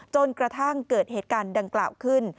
จนกระทั่งเกิดเหตุการณ์ดังกล่าวขึ้น